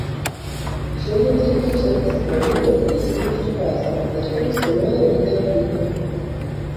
Сёння калектыў запісвае новыя песні, выступае з канцэртамі, здымае відэакліпы.